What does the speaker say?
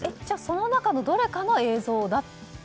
じゃあ、その中のどれかの映像？